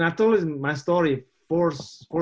dan aku bilang ke dia